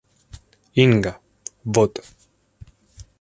Inga, Bot.